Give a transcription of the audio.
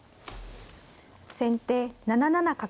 先手７七角。